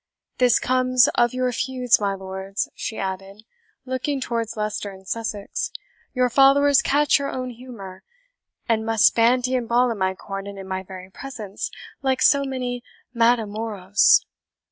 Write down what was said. This comes of your feuds, my lords," she added, looking towards Leicester and Sussex; "your followers catch your own humour, and must bandy and brawl in my court and in my very presence, like so many Matamoros.